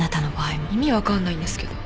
意味分かんないんですけど。